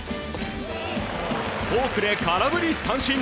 フォークで空振り三振。